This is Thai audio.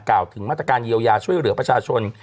ถึงมาตรการเยียวยาช่วยเหลือประชาชน